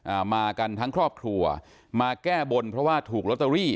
มากันทั้งครอบครัวมาแก้บนเพราะว่าถูกลอตเตอรี่